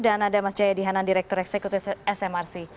dan ada mas jayadi hanan direktur eksekutif smrc